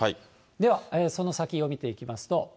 では、その先を見ていきますと。